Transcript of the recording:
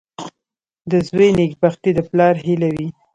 • د زوی نېکبختي د پلار هیله وي.